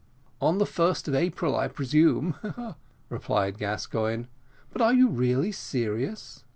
"On the first of April, I presume," replied Gascoigne. "But are you really serious?"